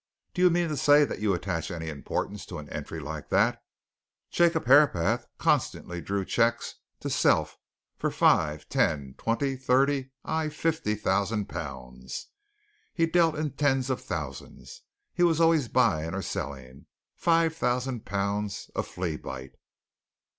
"Do you mean to say that you attach any importance to an entry like that? Jacob Herapath constantly drew cheques to self for five, ten, twenty, thirty aye, fifty thousand pounds! He dealt in tens of thousands he was always buying or selling. Five thousand pounds! a fleabite!"